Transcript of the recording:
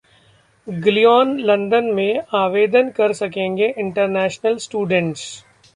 Glion London में आवेदन कर सकेंगे इंटरनेशनल स्टूडेंट्स